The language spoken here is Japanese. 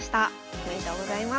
おめでとうございます。